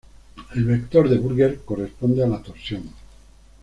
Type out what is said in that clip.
El vector de Burger corresponde a la torsión.